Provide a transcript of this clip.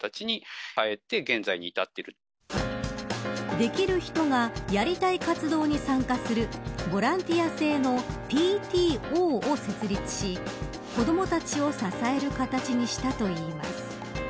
できる人がやりたい活動に参加するボランティア制のＰＴＯを設立し子どもたちを支える形にしたといいます。